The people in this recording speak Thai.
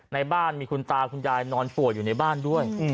ในบ้านมีคุณตาคุณยายนอนป่วยอยู่ในบ้านด้วย